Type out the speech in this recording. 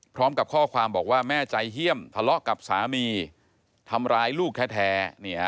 พร้อมกับข้อความบอกว่าแม่ใจเฮี่ยมทะเลาะกับสามีทำร้ายลูกแท้